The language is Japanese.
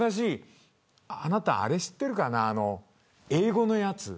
あなた、あれ知ってるかな英語のやつ。